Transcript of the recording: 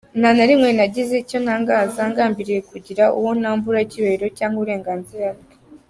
Nta na rimwe nagize icyo ntangaza ngambiriye kugira uwo nambura icyubahiro cyangwa uburenganzira bwe.